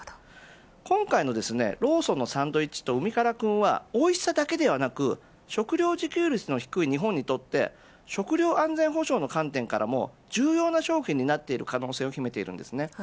今回のローソンのサンドイッチと海からクンはおいしさだけではなく食料自給率の低い日本にとって食料安全保障の観点からも重要な商品になっている可能性を秘めています。